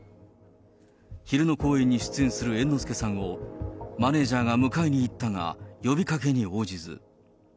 昼の公演に出演する猿之助さんを、マネージャーが迎えに行ったが、呼びかけに応じず。